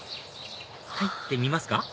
入ってみますか？